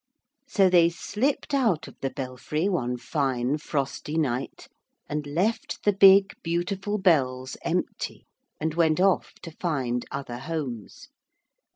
So they slipped out of the belfry one fine frosty night, and left the big beautiful bells empty, and went off to find other homes.